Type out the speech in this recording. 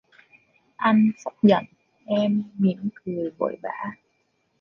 Anh sắp giận, em mỉm cười vội vã